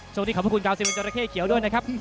ขอบพระคุณกาวซิเมนจราเข้เขียวด้วยนะครับ